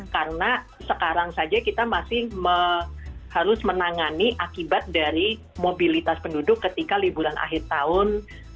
karena sekarang saja kita masih harus menangani akibat dari mobilitas penduduk ketika liburan akhir tahun